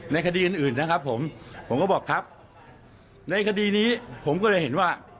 คดีอื่นนะครับผมผมก็บอกครับในคดีนี้ผมก็เลยเห็นว่า